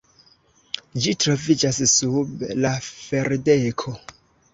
Ĝi troviĝas sub la ferdeko.